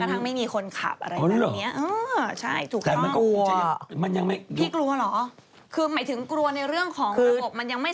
ต่อไปเราคงนั่งอยู่ข้างข้าง